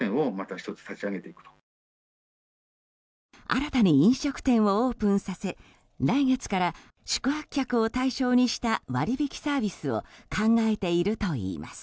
新たに飲食店をオープンさせ来月から宿泊客を対象にした割引サービスを考えているといいます。